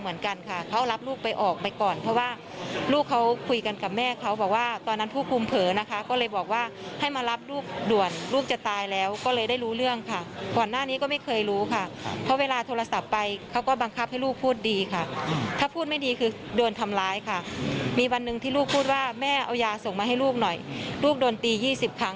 อ๋อเพื่อนบ้านเขาบอกค่ะวันที่เขาไปเอาลูกมานะคะ